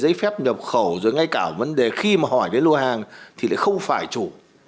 giấy phép nhập khẩu rồi ngay cả vấn đề khi mà hỏi đến lô hàng thì lại không phải chủ